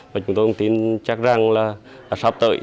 và chúng tôi cũng tin chắc rằng là sắp tới